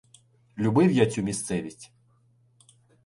любив я цю місцевість.